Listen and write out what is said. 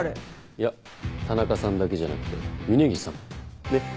いや田中さんだけじゃなくて峰岸さんもねっ。